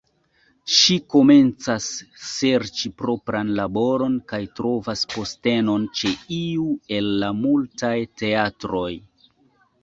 Ŝi komencas serĉi propran laboron kaj trovas postenon ĉe iu el la multaj teatroj.